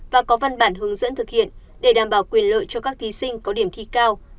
và có văn bản hướng dẫn thực hiện để đảm bảo quyền lợi cho các thí sinh có điểm thi cao